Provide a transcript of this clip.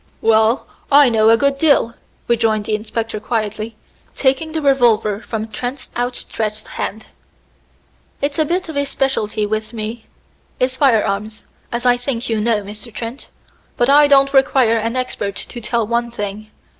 "Well, I know a good deal," rejoined the inspector quietly, taking the revolver from Trent's outstretched hand. "It's a bit of a specialty with me, is firearms, as I think you know, Mr. Trent. But it don't require an expert to tell one thing."